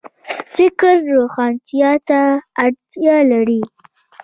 فکر روښانتیا ته اړتیا لري